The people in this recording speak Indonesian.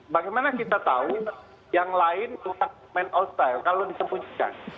bagaimana kita tahu yang lain bukan bookman old style kalau disembunyikan